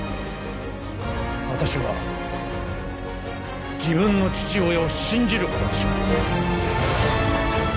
私は自分の父親を信じることにします